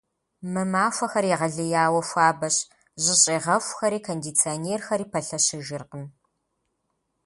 Мы махуэхэр егъэлеяуэ хуабэщ, жьыщӏегъэхухэри кондиционерхэри пэлъэщыжыркъым.